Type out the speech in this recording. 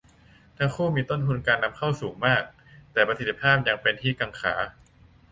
ทั้งคู่มีต้นทุนการนำเข้าสูงมาก แต่ประสิทธิภาพยังเป็นที่กังขา